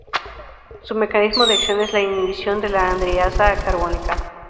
Su mecanismo de acción es la inhibición de la anhidrasa carbónica.